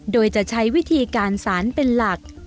โดยจะใช้วิธีการสารเป็นหลัก